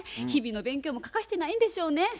日々の勉強も欠かしてないんでしょうね